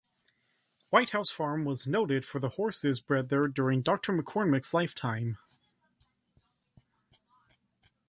White House Farm was noted for the horses bred there during Doctor McCormick's lifetime.